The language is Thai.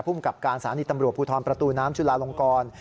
กับการสถานีตำรวจภูทรประตูน้ำจุลาลงกร